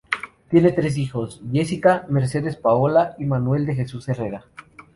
Tiene tres hijos: Jessica, Mercedes Paola y Manuel de Jesús Herrera.